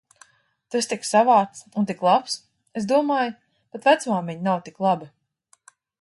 Tu esi tik savāds un tik labs. Es domāju, pat vecmāmiņa nav tik laba.